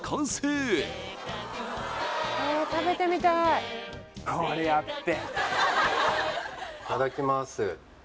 へえいただきます